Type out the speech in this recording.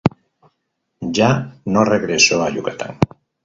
Ya no regresó a Yucatán.